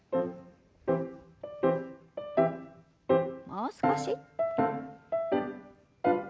もう少し。